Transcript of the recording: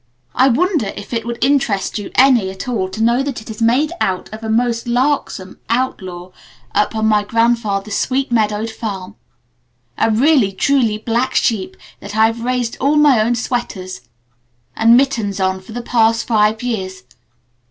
I wonder if it would interest you any at all to know that it is made out of a most larksome Outlaw up on my grandfather's sweet meadowed farm, a really, truly Black Sheep that I've raised all my own sweaters and mittens on for the past five years.